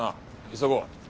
急ごう。